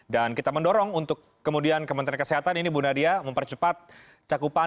dan kita mendorong untuk kemudian kementerian kesehatan ini bu nadia mempercepat cakupan